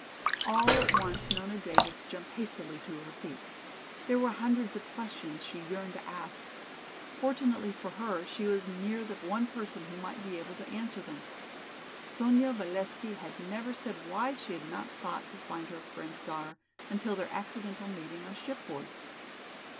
All at once Nona Davis jumped hastily to her feet. There were hundreds of questions she yearned to ask. Fortunately for her she was near the one person who might be able to answer them. Sonya Valesky had never said why she had not sought to find her friend's daughter until their accidental meeting on shipboard.